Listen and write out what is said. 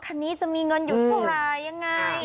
ไอน่าจะมีงฮาร์มาหายอย่างไง